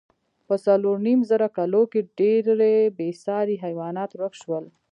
په څلورو نیم زره کلو کې ډېری بېساري حیوانات ورک شول.